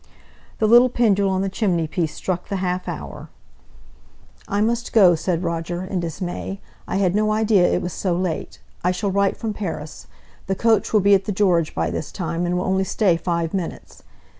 The little pendule on the chimney piece struck the half hour. "I must go!" said Roger, in dismay. "I had no idea it was so late. I shall write from Paris. The coach will be at the George by this time, and will only stay five minutes.